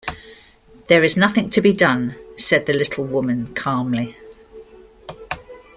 "There is nothing to be done," said the little woman, calmly.